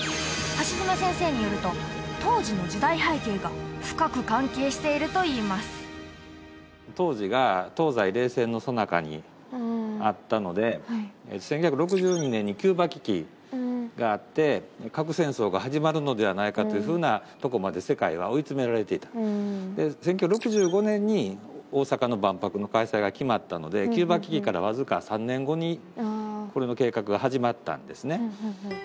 橋爪先生によると当時の時代背景が深く関係しているといいます当時が東西冷戦のさなかにあったので１９６２年にキューバ危機があって核戦争が始まるのではないかというふうなとこまで世界は追い詰められていたで１９６５年に大阪の万博の開催が決まったのでキューバ危機からわずか３年後にこれの計画が始まったんですね